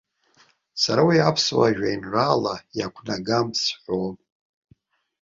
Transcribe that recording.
Сара уи аԥсуа жәеинраала иақәнагауам сҳәом.